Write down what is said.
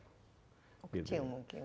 oh kecil mungkin